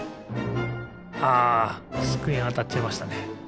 あつくえにあたっちゃいましたね。